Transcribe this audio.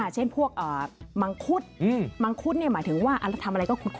เช่นพวกมังคุดมังคุดหมายถึงว่าทำอะไรก็คุด